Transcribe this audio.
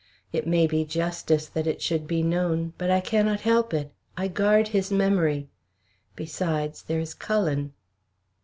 It may be justice that it should be known. But I cannot help it; I guard his memory. Besides, there is Cullen."